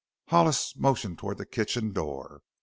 Hollis motioned toward the kitchen door.